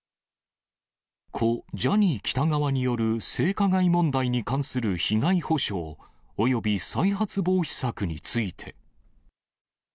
故・ジャニー喜多川による性加害問題に関する被害補償および再発防止策について。